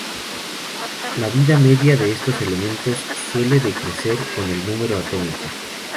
La vida media de estos elementos suele decrecer con el número atómico.